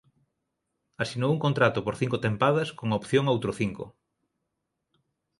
Asinou un contrato por cinco tempadas con opción a outro cinco.